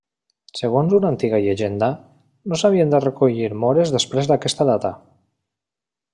Segons una antiga llegenda, no s'havien de recollir móres després d'aquesta data.